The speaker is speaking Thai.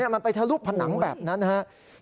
มันไปทะลุผนังแบบนั้นนะครับ